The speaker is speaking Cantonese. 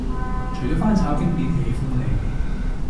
除咗翻炒經典喜歡你